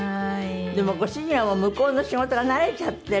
でもご主人は向こうの仕事が慣れちゃってるんでしょ？